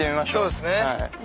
そうっすね。